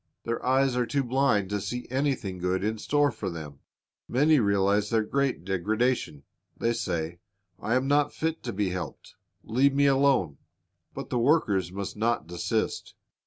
Their eyes are too blind to see anything good in store for them. Many realize their great degradation. They say, I am not fit to be helped, leave me alone. But the workers must not desist.